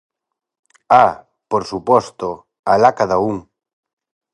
¡Ah!, por suposto, alá cada un.